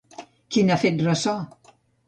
Qui n'ha fet ressò?